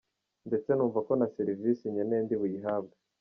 Mbese numva ko na serivisi nkeneye ndi buyihabwe.